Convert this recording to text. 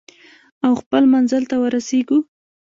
او خپل منزل ته ورسیږو.